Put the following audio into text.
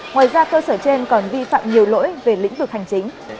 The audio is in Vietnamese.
ngoài ra cơ sở trên còn vi phạm nhiều lỗi về lĩnh vực hành chính